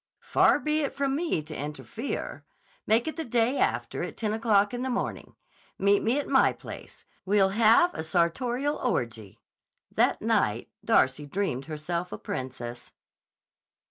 "Far be it from me to interfere. Make it the day after at ten o'clock in the morning. Meet me at my place. We'll have a sartorial orgy." That night Darcy dreamed herself a princess.